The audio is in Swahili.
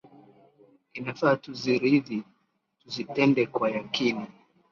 Inafaa tuziridhi, tuzitende kwa yakini